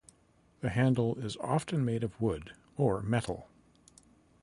The handle is often made of wood or metal.